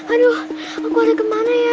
aduh aku ada kemana ya